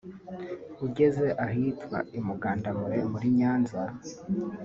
ugeze ahitwa i Mugandamure muri Nyanza